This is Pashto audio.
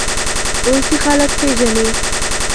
اوس یې خلک پېژني.